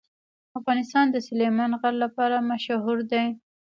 افغانستان د سلیمان غر لپاره مشهور دی.